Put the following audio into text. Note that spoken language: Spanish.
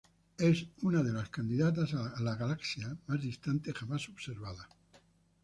Es una de las candidatas a la galaxia más distante jamás observada.